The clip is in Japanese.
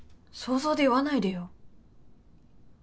想像で言わないでよ。